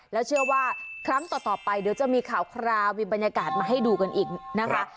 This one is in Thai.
แล้วเชื่อว่าครั้งต่อไปเดี๋ยวจะมีข่าวคราวมีบรรยากาศมาให้ดูกันอีกนะคะ